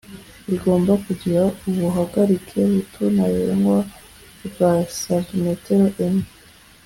bigomba kugira ubuhagarike buto ntarengwa bwa santimetero enye